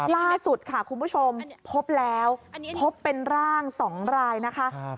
ล่าสุดค่ะคุณผู้ชมพบแล้วพบเป็นร่าง๒รายนะคะ